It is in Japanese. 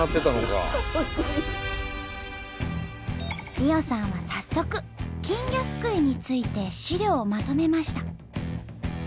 莉緒さんは早速金魚すくいについて資料をまとめました。